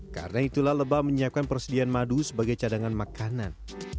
karena itulah lebah menyiapkan persediaan madu sebagai cadangan makanan